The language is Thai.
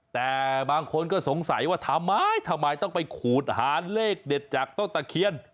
แต่บางคนก็สงสัยว่าทำไมทำไมต้องไปขูดหาเลขเด็ดจากต้นตะเคียน